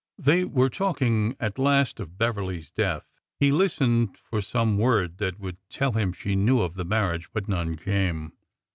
They were talking at last of Beverly's death. He lis tened for some word that would tell him she knew of the marriage, but none came.